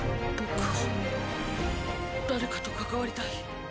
僕は誰かと関わりたい。